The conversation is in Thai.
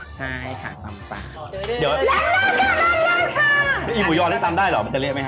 จะเลี้ยวไหมครับ